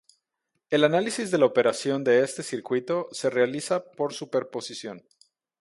El análisis de la operación de este circuito se realiza por superposición.